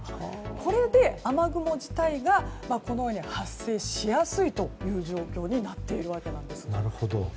これで雨雲自体がこのように発生しやすい状況になっているわけです。